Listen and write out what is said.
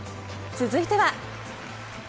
続いては。